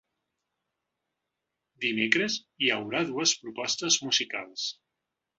Dimecres hi haurà dues propostes musicals.